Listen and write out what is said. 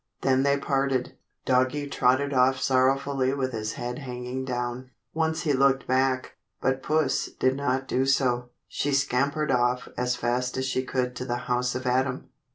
Then they parted. Doggie trotted off sorrowfully with his head hanging down. Once he looked back, but Puss did not do so. She scampered off as fast as she could to the house of Adam.